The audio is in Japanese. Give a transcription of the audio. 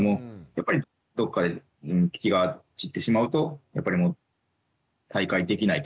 やっぱりどっかで気が散ってしまうとやっぱりもう再開できないというか。